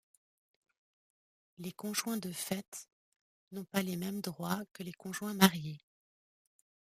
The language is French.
Les conjoints de fait n'ont pas les mêmes droits que les conjoints mariés.